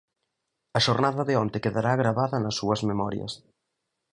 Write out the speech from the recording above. A xornada de onte quedará gravada nas súas memorias.